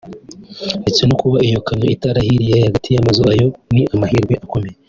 ndetse no kuba iyo kamyo itahiriye hagati y’amazunabyo ngo ni amahirwe akomeye